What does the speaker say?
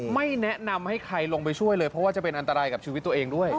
ไม่แนะนำให้ใครลงไปช่วยเลยเพราะว่าจะเป็นอันตรายกับชีวิตตัวเองด้วย